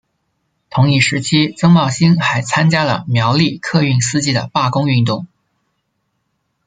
同一时期曾茂兴还参加了苗栗客运司机的罢工运动。